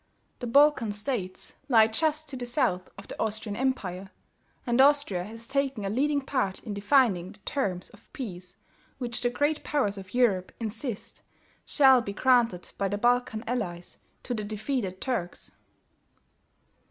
The Balkan States lie just to the south of the Austrian Empire, and Austria has taken a leading part in defining the terms of peace which the Great Powers of Europe insist shall be granted by the Balkan allies to the defeated Turks.